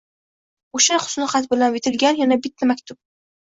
O`sha husnixat bilan bitilgan yana bitta maktub